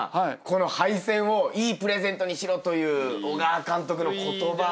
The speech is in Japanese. この敗戦をいいプレゼントにしろという小川監督の言葉。